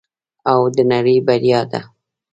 او د نړۍ بریا ده.